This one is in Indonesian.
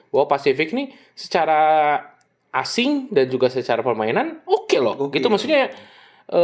bahwa pasifik ini secara asing dan juga secara permainan oke loh gitu maksudnya ya